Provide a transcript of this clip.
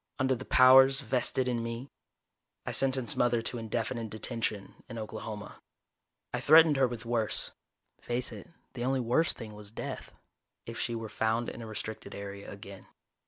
"Under the powers vested in me ..." I sentenced Mother to indefinite detention in Oklahoma. I threatened her with worse face it, the only worse thing was death if she were found in a restricted area again.